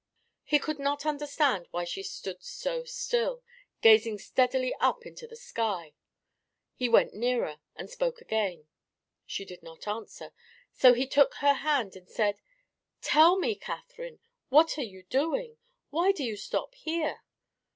He could not understand why she stood so still, gazing steadily up into the sky. He went nearer, and spoke again. She did not answer, so he took her hand and said, "Tell me, Catherine, what are you doing? Why do you stop here?"